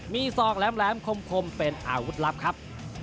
มีศอกแหลมคมเป็นอาวุธลับครับ